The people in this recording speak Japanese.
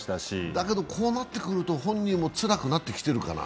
だけど、こうなってくると本人もつらくなってきてるかな？